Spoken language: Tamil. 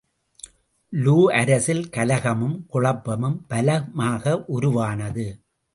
லூ அரசில் கலகமும் குழப்பமும் பலமாக உருவானது.